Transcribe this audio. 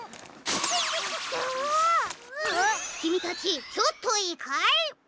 きみたちちょっといいかい？